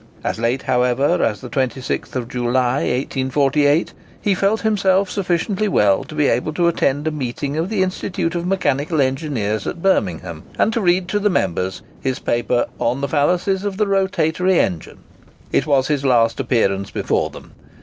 As late, however, as the 26th July, 1848, he felt himself sufficiently well to be able to attend a meeting of the Institute of Mechanical Engineers at Birmingham, and to read to the members his paper "On the Fallacies of the Rotatory Engine." It was his last appearance before them.